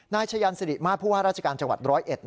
นายชะยันสิริมาพุหรราชการจังหวัดร้อยเอ็ด